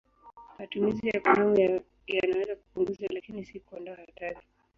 Matumizi ya kondomu yanaweza kupunguza, lakini si kuondoa hatari.